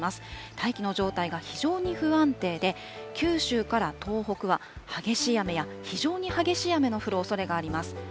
大気の状態が非常に不安定で、九州から東北は激しい雨や非常に激しい雨の降るおそれがあります。